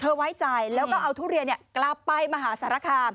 ไว้ใจแล้วก็เอาทุเรียนกลับไปมหาสารคาม